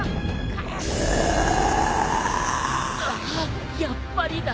ああやっぱりだ。